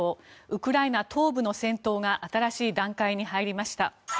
ウクライナ東部の戦闘が新しい段階に入りました。